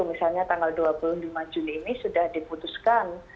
misalnya tanggal dua puluh lima juni ini sudah diputuskan